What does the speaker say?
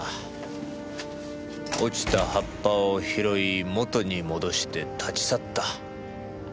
落ちた葉っぱを拾い元に戻して立ち去った。